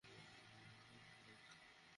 এ তুমি কী করলে?